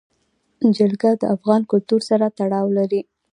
جلګه د افغان کلتور سره تړاو لري.